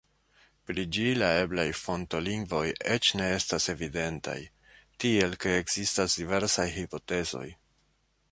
Pri ĝi la eblaj fonto-lingvoj eĉ ne estas evidentaj, tiel ke ekzistas diversaj hipotezoj.